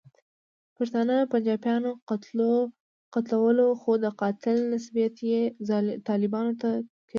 پښتانه پنجابیانو قتلول، خو د قاتل نسبیت یې طالبانو ته کېدلو.